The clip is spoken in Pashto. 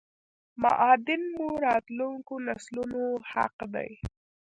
معادن مو راتلونکو نسلونو حق دی!!